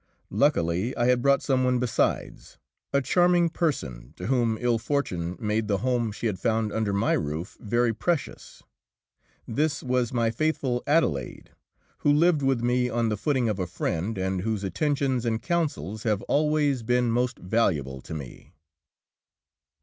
Luckily I had brought some one besides, a charming person to whom ill fortune made the home she had found under my roof very precious. This was my faithful Adelaide, who lived with me on the footing of a friend, and whose attentions and counsels have always been most valuable to me.